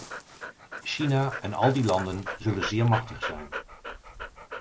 China en al die landen zullen zeer machtig zijn.